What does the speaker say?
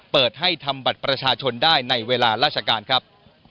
เปิดให้ทำบัตรประชาชนได้ในเวลาราชการครับ